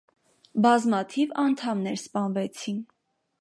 Բազմաթիվ անդամներ սպանվեցին։